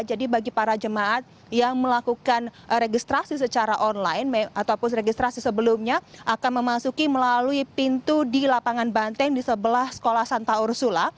jadi bagi para jemaat yang melakukan registrasi secara online ataupun registrasi sebelumnya akan memasuki melalui pintu di lapangan banteng di sebelah sekolah santa ursula